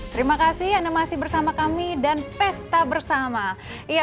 terima kasih animasi bersama kami dan pesta bersama